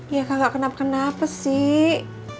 ya kakak kenapa kenapa sih